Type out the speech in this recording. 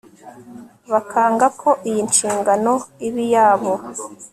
bakanga ko iyi nshingano iba iyabo